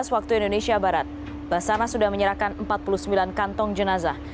dua belas waktu indonesia barat basarnas sudah menyerahkan empat puluh sembilan kantong jenazah